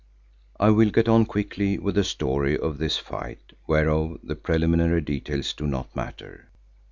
I will get on quickly with the story of this fight whereof the preliminary details do not matter.